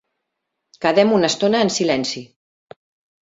Quedem una estona en silenci.